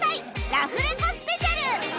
ラフレコスペシャル